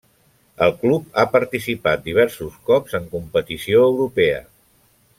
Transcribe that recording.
El club ha participat diversos cops en competició europea.